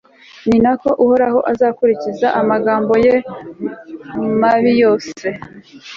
ni na ko uhoraho azakurikiza amagambo ye mabi yose